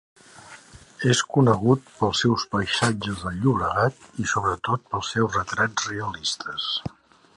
És conegut pels seus paisatges del Llobregat i, sobretot, pels seus retrats realistes.